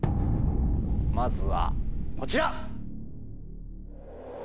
まずはこちら！